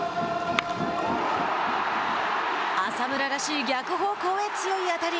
浅村らしい逆方向へ強い当たり。